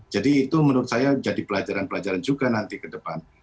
jadi itu menurut saya jadi pelajaran pelajaran juga nanti ke depan